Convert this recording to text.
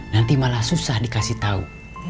nanti malah susah dikasih tahu